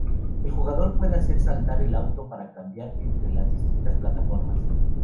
El jugador puede hacer saltar el auto para cambiar entre las distintas plataformas.